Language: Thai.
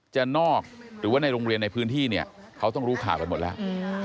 จะนอกหรือว่าในโรงเรียนในพื้นที่เนี่ยเขาต้องรู้ข่าวกันหมดแล้ว